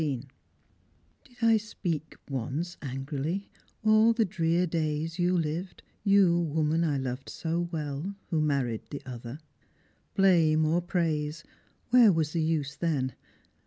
•* Did I speak once angrily, all the drear days You lived, you woman I loved so well, Wbo married the other ? Blarue or praise, Where was the use then